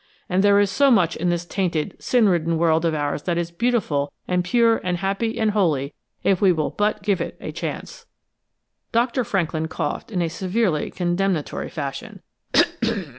And there is so much in this tainted, sin ridden world of ours that is beautiful and pure and happy and holy, if we will but give it a chance!" Doctor Franklin coughed, in a severely condemnatory fashion.